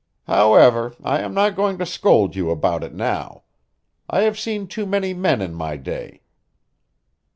"However, I am not going to scold you about it now. I have seen too many men in my day.